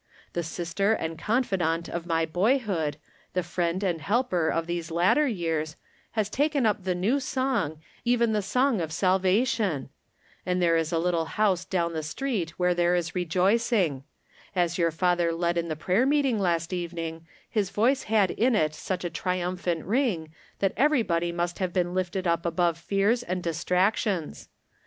The sictcr and confidant of my boyhood, the friend and helper of these later years, has taken up the new song, even the song of salvation ! And there is a little house down the street where there is rejoicing. As your father led in the prayer meeting last evening his voice had in it such a triumphant ring that everybody must have been lifted up above fears and distractions.